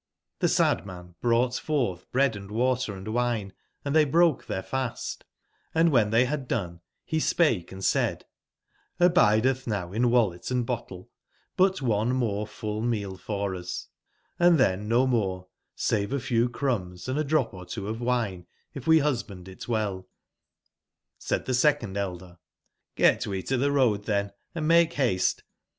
'Cbc sad man brou ght for th bread an d water & win e, and they broke theirfast; andwhen they haddonehe spake & said : ''Hbidethnow in wallet and bottle but one more full meal for us,& then no more save a few crumbs and a drop or two of wine if we husband it weir'jj^Said the second elder: ''Get we to the road, then, and make haste.